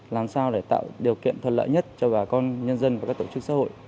làm sao để tạo điều kiện thuận lợi nhất cho bà con nhân dân và các tổ chức xã hội